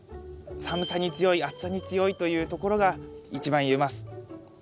寒さに強い暑さに強いというところが一番言えます。